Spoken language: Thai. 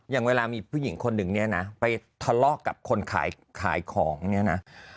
อย่างเวลามีผู้หญิงคนหนึ่งเนี่ยนะไปทะเลาะกับคนขายของเนี่ยนะ